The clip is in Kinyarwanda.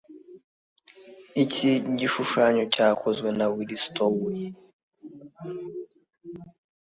Iki gishushanyo cyakozwe na Willy Stowe